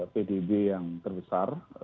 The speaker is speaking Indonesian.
pdb yang terbesar